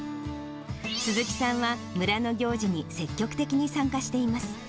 鈴木さんは、村の行事に積極的に参加しています。